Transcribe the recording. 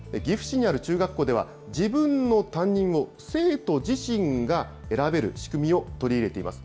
岐阜市にある中学校では、自分の担任を生徒自身が選べる仕組みを取り入れています。